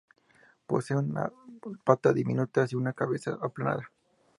Posee unas patas diminutas y una cabeza aplanada.